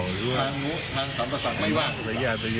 หรืออยากไปรยมเรา